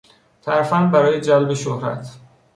ترفند برای جلب شهرت